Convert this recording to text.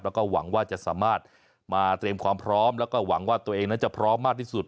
แล้วก็หวังว่าจะสามารถมาเตรียมความพร้อมแล้วก็หวังว่าตัวเองนั้นจะพร้อมมากที่สุด